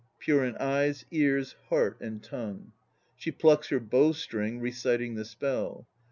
Pure in eyes, ears, heart and tongue. (She plucks her bow string, reciting the spell.)